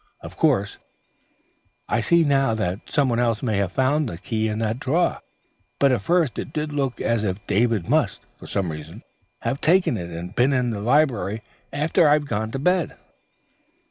Of course I see now that some one else may have found the key in that drawer, but at first it did look as if David must, for some reason, have taken it, and been in the library, after I'd gone to bed."